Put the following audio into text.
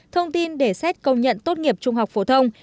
thông tin để xét công nhận tốt nghiệp trung học phổ thông